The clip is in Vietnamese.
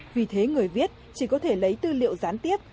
vì thế người viết chỉ có thể lấy tư liệu gián tiếp